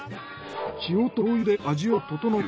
塩と醤油で味を調える。